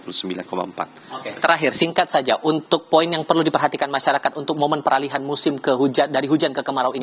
oke terakhir singkat saja untuk poin yang perlu diperhatikan masyarakat untuk momen peralihan musim dari hujan ke kemarau ini